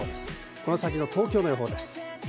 この先の東京の予想です。